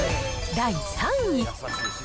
第３位。